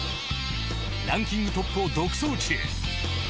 ランキングトップを独走中。